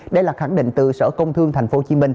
đây là khẳng định từ sở công thương tp hcm